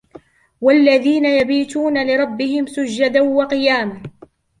والذين يبيتون لربهم سجدا وقياما